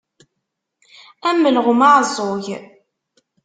Am ulɣem aɛeẓẓug.